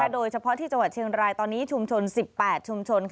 โดยเฉพาะที่จังหวัดเชียงรายตอนนี้ชุมชน๑๘ชุมชน